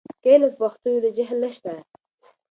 که علم په پښتو وي، نو جهل نشته.